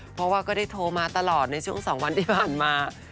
เพราะว่าก็ได้โทรมาตลอดในช่วง๒วันที่ผ่านมา